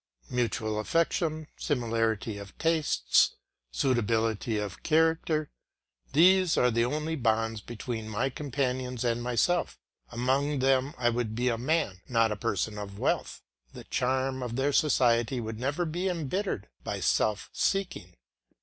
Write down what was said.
Mutual affection, similarity of tastes, suitability of character; these are the only bonds between my companions and myself; among them I would be a man, not a person of wealth; the charm of their society should never be embittered by self seeking.